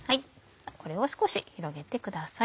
これを少し広げてください。